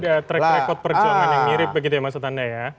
ada track record perjuangan yang mirip begitu ya maksud anda ya